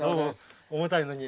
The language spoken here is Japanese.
重たいのに。